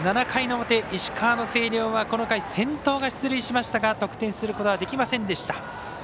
７回の表、石川の星稜はこの回、先頭が出塁しましたが得点することはできませんでした。